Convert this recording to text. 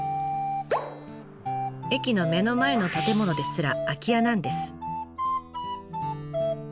駅の目の前の建物ですら空き家なんです。